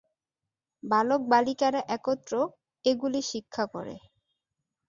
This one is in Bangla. বালক-বালিকারা একত্র এগুলি শিক্ষা করে।